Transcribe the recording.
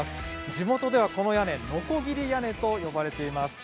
地元ではこの屋根のこぎり屋根と言われています。